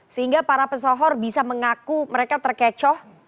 sehingga para pesohor bisa mengaku mereka terkecoh